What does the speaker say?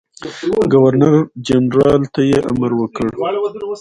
ګورنرجنرال ته یې امر وکړ.